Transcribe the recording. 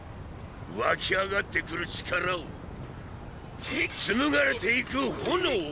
わき上がってくる力をつむがれていく炎を！